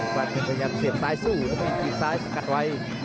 ปลาดเอกขยับเสียบซ้ายสู้ต้องมีกินซ้ายสะกัดไว้